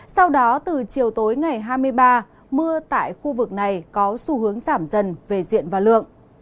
sau đó từ chiều tối ngày hai mươi ba mưa tại khu vực này có xu hướng giảm dần về diện và lượng